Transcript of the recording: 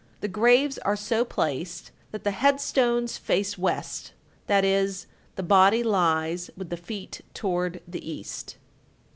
the graves are so placed that the headstones face west, that is, the body lies with the feet toward the east.